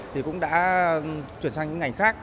thì cũng đã chuyển sang những ngành khác